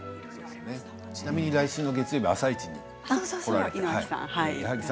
ちなみに来週の月曜日「あさイチ」に来られて